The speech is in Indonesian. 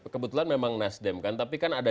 kebetulan memang nasdem kan tapi kan ada